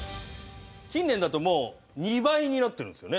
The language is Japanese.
近年だともう２倍になってるんですよね